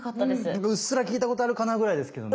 なんかうっすら聞いたことあるかなぐらいですけどね。